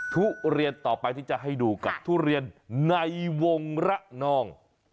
ทุเรียนต่อไปที่จะให้ดูกับทุเรียนในวงระนอง